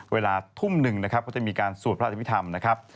เวลาทุ่มหนึ่งนะครับก็จะมีการสวดพระอภิษฐรรมนะครับ